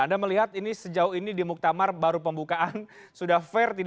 anda melihat ini sejauh ini di muktamar baru pembukaan sudah fair